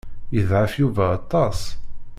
Yeḍɛef Yuba aṭas.